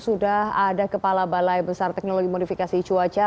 sudah ada kepala balai besar teknologi modifikasi cuaca